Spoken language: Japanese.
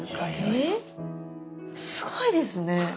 すごいですね。